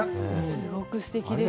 すごくすてきでした。